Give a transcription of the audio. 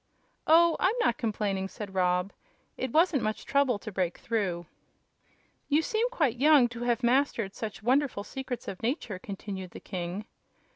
"Oh, I'm not complaining," said Rob. "It wasn't much trouble to break through." "You seem quite young to have mastered such wonderful secrets of Nature," continued the king.